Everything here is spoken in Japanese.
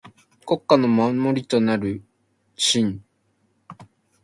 国家の守りとなる臣。